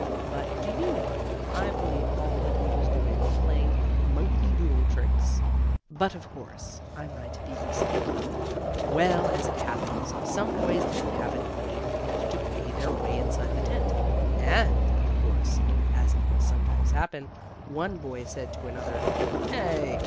But, do you know, I believe all that he was doing was playing monkey doodle tricks but, of course, I might be mistaken. Well, as it always happens, some boys didn't have any money with which to pay their way inside the tent. And, of course, as it will sometimes happen, one boy said to another: "Hey!